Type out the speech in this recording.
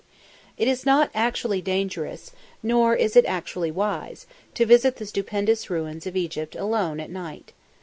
It is not actually dangerous, nor is it actually wise, to visit the stupendous ruins of Egypt alone at night.